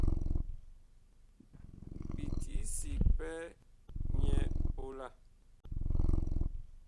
Bi ti sig pɛ nyɛ pola.